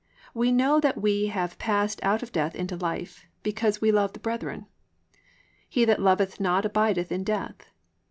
(14) We know that we have passed out of death into life, because we love the brethren. He that loveth not abideth in death.